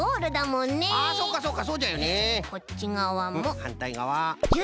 んっはんたいがわ。